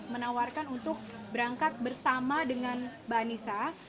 menawarkan untuk berangkat bersama dengan mbak anissa